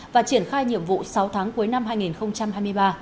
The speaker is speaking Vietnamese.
và triển khai nhiệm vụ sáu tháng cuối năm hai nghìn hai mươi ba